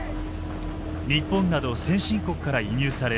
日本など先進国から輸入され